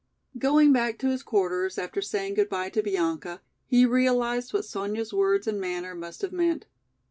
Going back to his quarters, after saying goodby to Bianca, he realized what Sonya's words and manner must have meant.